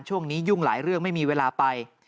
ยุ่งหลายเรื่องไม่มีเวลาไป